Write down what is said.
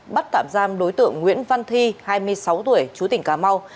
bắt tạm giam đối tượng nguyễn văn thi hai mươi sáu tuổi chú tỉnh cà mau